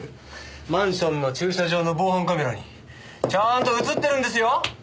マンションの駐車場の防犯カメラにちゃんと写ってるんですよ！